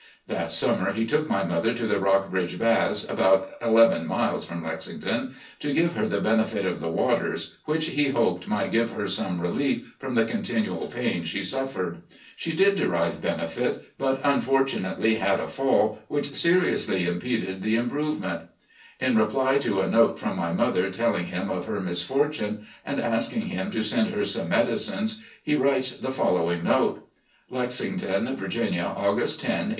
That summer he took my mother to the Rockbridge Baths, about eleven miles from Lexington, to give her the benefit of the waters, which, he hoped, might give her some relief from the continual pain she suffered. She did daive ♦ My brother had recently visited Lexington. 238 RECOLLECTIONS OF GENERAL LEE benefit, but, unfortunately, had a fall which seriously impeded the improvement. In reply to a note from my mother telling him of her misfortune and asking him to send her some medicines, he writes the following note: "Lexington, Virginia, August lo, 1866.